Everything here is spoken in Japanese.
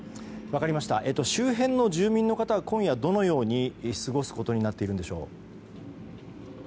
周辺の住民の方は今夜どのように過ごすことになっているんでしょう。